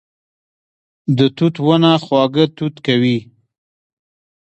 د توت ونه خواږه توت کوي